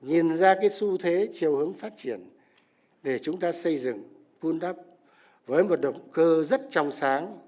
nhìn ra cái xu thế chiều hướng phát triển để chúng ta xây dựng vun đắp với một động cơ rất trong sáng